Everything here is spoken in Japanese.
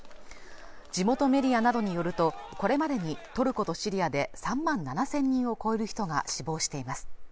地元メディアなどによるとこれまでにトルコとシリアで３万７０００人を超える人が死亡しています